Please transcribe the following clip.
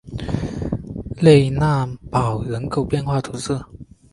勒讷堡人口变化图示